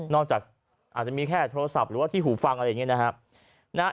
นอกจากอาจจะมีแค่โทรศัพท์หรือว่าที่หูฟังอะไรแบบนี้